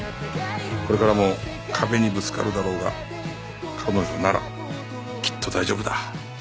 これからも壁にぶつかるだろうが彼女ならきっと大丈夫だ。